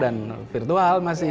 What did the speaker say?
dan virtual masih